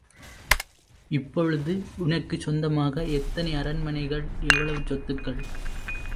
இப்பொழுது உனக்குச் சொந்தமாக எத்தனை அரண்மனைகள், எவ்வளவு சொத்துக்கள்!